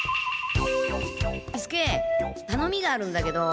伊助たのみがあるんだけど。